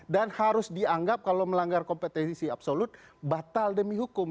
dan harus dianggap kalau melanggar kompetensi absolut batal demi hukum